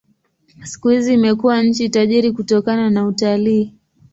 Siku hizi imekuwa nchi tajiri kutokana na utalii.